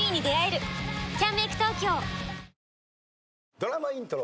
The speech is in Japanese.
ドラマイントロ。